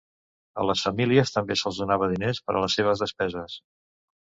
A les famílies també se'ls donava diners per a les seves despeses.